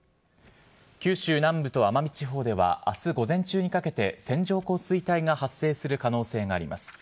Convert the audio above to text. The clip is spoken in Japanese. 九州南部と奄美地方ではあす午前中にかけて、線状降水帯が発生する可能性があります。